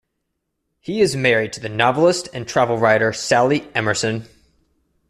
He is married to the novelist and travel writer Sally Emerson.